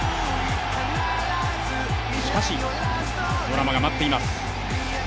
しかし、ドラマが待っています。